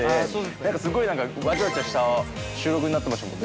なんかすごいわちゃわちゃした収録になってましたもんね。